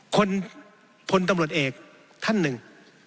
พลตำรวจเอกท่านหนึ่ง